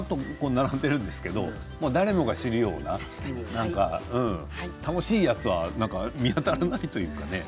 並んでいますけど誰もが知るような楽しいやつは見当たらないというか。